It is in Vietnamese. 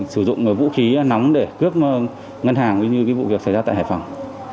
sử dụng vũ khí nóng để cướp ngân hàng như vụ việc xảy ra tại hải phòng